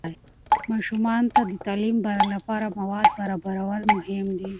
ماشومان ته د تعلیم لپاره مواد برابرول مهم دي.